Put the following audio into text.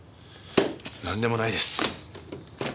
なんでもないです。